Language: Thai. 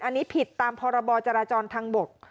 อันนี้ผิดตามพรบจราจรทางบก